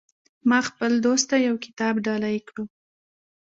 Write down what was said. ما خپل دوست ته یو کتاب ډالۍ کړو